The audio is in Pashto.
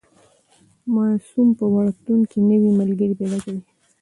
ماسوم په وړکتون کې نوي ملګري پیدا کوي.